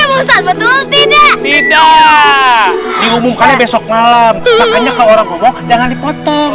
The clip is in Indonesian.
ya ustadz betul tidak tidak diumumkannya besok malam makanya kalau orang ngomong jangan dipotong